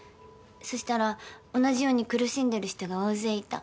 そしたら同じように苦しんでる人が大勢いた。